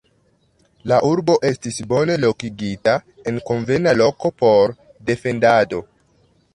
La urbo estis bone lokigita en konvena loko por defendado.